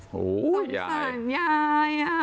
โหยาย